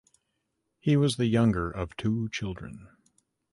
He was the younger of two children.